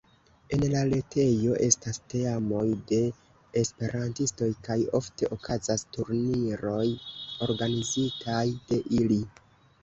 En la retejo estas teamoj de esperantistoj kaj ofte okazas turniroj organizitaj de ili.